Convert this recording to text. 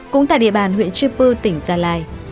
cũng tại địa bàn huyện chui pu tỉnh gia lai